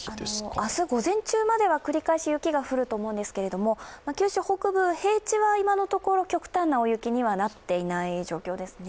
明日午前中までは繰り返し雪が降ると思うんですけれども、九州北部、平地は今のところ極端な大雪にはなっていない状況ですね。